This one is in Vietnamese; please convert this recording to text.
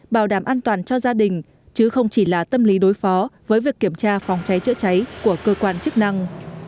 bảo đảm an toàn cho gia đình chứ không chỉ là tâm lý đối phó với việc kiểm tra phòng cháy chữa cháy của cơ quan chức năng